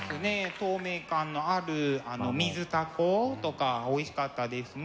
透明感のあるミズタコとかおいしかったですね。